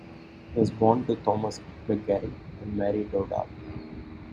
He was born to Thomas McGarry and Mary Dowdall.